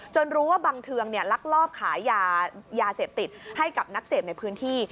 รู้ว่าบังเทืองลักลอบขายยาเสพติดให้กับนักเสพในพื้นที่